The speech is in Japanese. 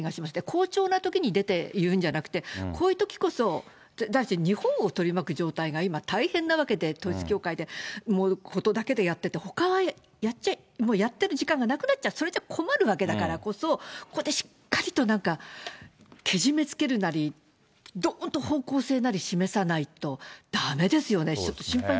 好調なときに出ていうんじゃなくて、こういうときこそ、だって日本の取り巻く状態が今、大変なわけで、統一教会のことだけでやってて、ほかはもうやってる時間がなくなっちゃう、それじゃ困るわけだからこそ、ここでしっかりとなんか、けじめつけるなり、どーんと方向性なり示さないとだめですよね。